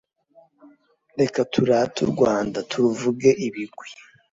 reka turate u rwanda turuvuge i bigwi